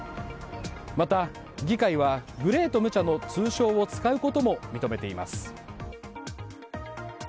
また、議会はグレート無茶の通称を使うことも認めています。